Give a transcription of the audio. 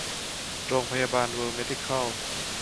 โรงพยาบาลเวิลด์เมดิคอล